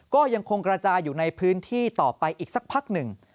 ก็ยังคงกระจายอยู่ในพื้นที่ต่อไปอีกสักพักหนึ่ง